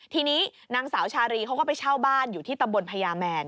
ทีนี้นางสาวชารีเขาก็ไปเช่าบ้านอยู่ที่ตำบลพญาแมน